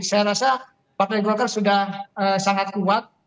saya rasa partai golkar sudah sangat kuat